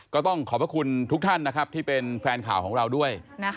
ก็ต้องขอบพระคุณทุกท่านนะครับที่เป็นแฟนข่าวของเราด้วย